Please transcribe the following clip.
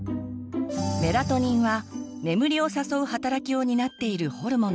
メラトニンは眠りを誘う働きを担っているホルモンです。